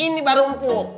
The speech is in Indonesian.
ini baru empuk